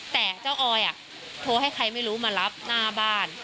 แต่เจ้าออยโทรให้ใครไม่รู้มารับหน้าบ้าน